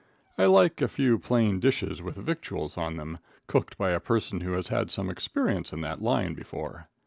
I like a few plain dishes with victuals on them, cooked by a person who has had some experience in that line before.